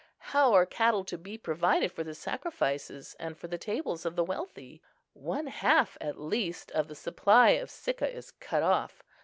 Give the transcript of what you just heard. How are cattle to be provided for the sacrifices and for the tables of the wealthy? One half, at least, of the supply of Sicca is cut off.